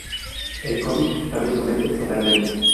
El comic cambia tu mente totalmente.